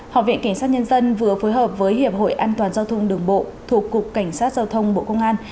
học viện kiểm sát nhân dân vừa phối hợp với hiệp hội an toàn giao thông đường bộ thuộc cục cảnh sát giao thông bộ công an